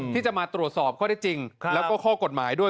ที่จะมาตรวจสอบข้อได้จริงแล้วก็ข้อกฎหมายด้วย